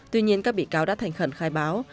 tuy nhiên các bị cáo đã thành khẩn khai báo